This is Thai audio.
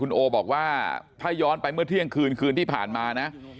โอบอกว่าถ้าย้อนไปเมื่อเที่ยงคืนคืนที่ผ่านมานะ